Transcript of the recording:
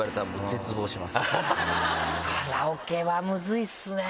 カラオケはむずいっすね。